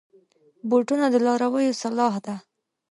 بوټونه د لارویو سلاح ده.